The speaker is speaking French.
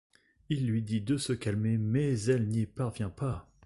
Il lui dit de se calmer mais elle n'y parvient pas.